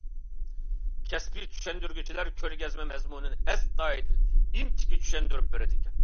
كەسپىي چۈشەندۈرگۈچىلەر كۆرگەزمە مەزمۇنىنى ئەستايىدىل، ئىنچىكە چۈشەندۈرۈپ بېرىدىكەن.